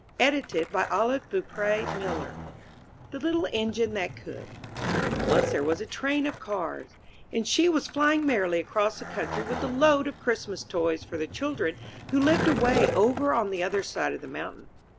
192 IN THE NURSERY THE LITTLE ENGINE THAT COULD* Once there was a Train of Cars, and she was flying merrily across the country with a load of Christmas toys for the children who lived way over on the other side of the mountain.